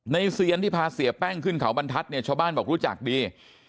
เซียนที่พาเสียแป้งขึ้นเขาบรรทัศน์เนี่ยชาวบ้านบอกรู้จักดี